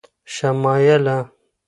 شمایله